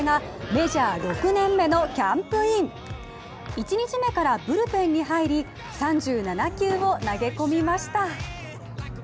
１日目からブルペンに入り３７球を投げ込みました。